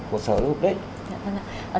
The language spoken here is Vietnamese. của sở giáo dục đấy